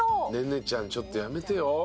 「ｎｅｎｅちゃんちょっとやめてよ」